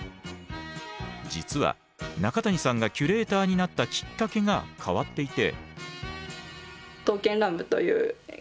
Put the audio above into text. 実は中谷さんがキュレーターになったきっかけが変わっていて。